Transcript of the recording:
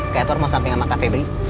klau mau sampe sama kak febri